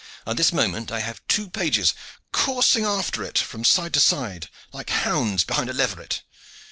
At this moment I have two pages coursing after it from side to side, like hounds behind a leveret.